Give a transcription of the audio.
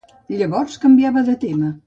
Llavors canviava de tema.